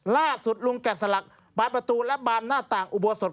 ล่าสุดลุงแกะสลักบายประตูและบานหน้าต่างอุโบสถ